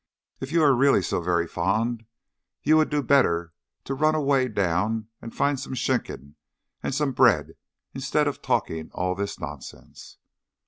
If you are really so very fond, you would do better to run away down and find the schinken and some bread, instead of talking all this nonsense."